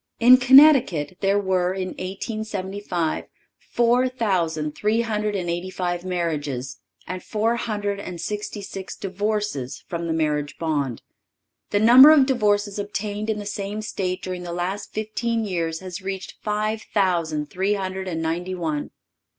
In Connecticut there were, in 1875, four thousand three hundred and eighty five marriages, and four hundred and sixty six divorces from the marriage bond. The number of divorces obtained in the same State during the last fifteen years has reached five thousand three hundred and ninety one.